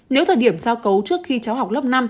nếu thời điểm giao cấu trước khi cháu học lớp năm